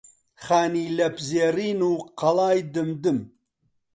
خانی لەپزێڕین و قەڵای دمدم